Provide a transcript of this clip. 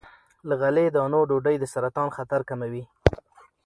له غلې- دانو ډوډۍ د سرطان خطر کموي.